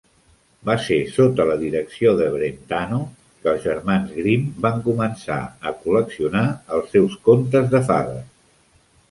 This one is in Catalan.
Va ser sota la direcció de Brentano que els Germans Grimm van començar a col·leccionar els seus contes de fades.